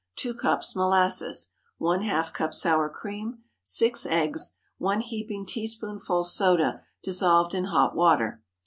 2 cups molasses. ½ cup sour cream. 6 eggs. 1 heaping teaspoonful soda dissolved in hot water.